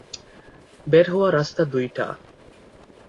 বের হওয়ার রাস্তা দুইটা?